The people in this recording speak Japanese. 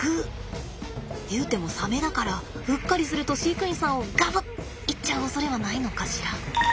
いうてもサメだからうっかりすると飼育員さんをガブッいっちゃうおそれはないのかしら？